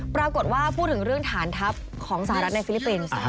ปรากฏว่าพูดถึงเรื่องฐานทัพของสหรัฐในฟิลิปปินส์